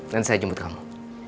dan saya jemput kamu